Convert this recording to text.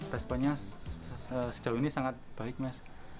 responnya sejauh ini sangat baik mas